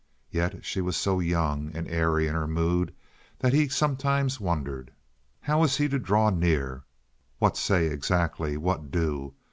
Yet she was so young and airy in her mood that he sometimes wondered. How was he to draw near? What say exactly? What do?